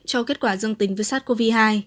cho kết quả dương tính với sars cov hai